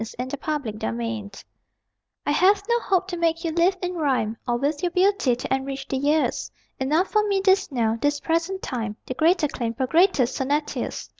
TO THE ONLY BEGETTER I I have no hope to make you live in rhyme Or with your beauty to enrich the years Enough for me this now, this present time; The greater claim for greater sonneteers.